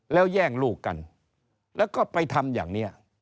แล้วแย่งลูกกันแล้วก็ไปทำอย่างนี้